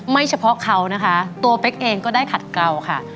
เฉพาะเขานะคะตัวเป๊กเองก็ได้ขัดเก่าค่ะ